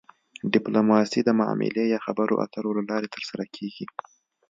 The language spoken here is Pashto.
ډیپلوماسي د معاملې یا خبرو اترو له لارې ترسره کیږي